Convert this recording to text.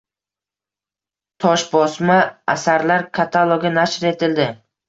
Toshbosma asarlar katalogi nashr etildi